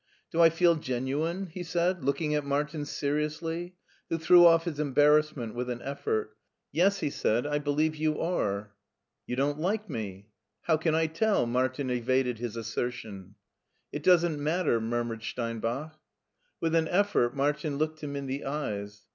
" Do I feel genuine ?*' he said, looking at Martin seriously, who threw off his embarrassment with an effort. " Yes,*' he said, " I believe you are. " You don't like me." " How can I tell ?" Martin evaded his assertion. '* It doesn't matter," murmured Steinbach. With an effort Martin looked him in the eyes.